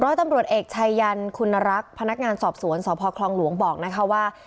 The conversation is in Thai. ตำรวจเอกชายยันคุณรักษ์พนักงานสอบสวนสพคลองหลวงบอกนะคะว่า